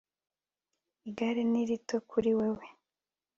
igare ni rito kuri wewe